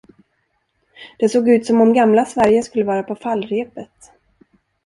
Det ser ut som om gamla Sverige skulle vara på fallrepet!